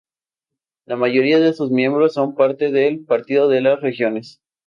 La mayoría de sus miembros son parte del Partido de las Regiones.